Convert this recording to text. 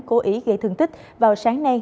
cố ý gây thương tích vào sáng nay